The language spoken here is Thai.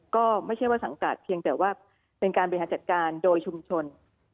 ก็ไม่ใช่ว่าสังกัดเพียงแต่ว่าเป็นการบริหารจัดการโดยชุมชน